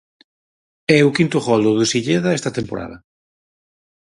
É o quinto gol do de Silleda esta temporada.